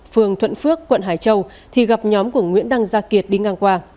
phường thuận phước quận hải châu thì gặp nhóm của nguyễn đăng gia kiệt đi ngang qua